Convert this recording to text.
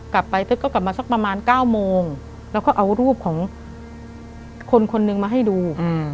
กลับไปตึกก็กลับมาสักประมาณ๙โมงแล้วก็เอารูปของคนคนหนึ่งมาให้ดู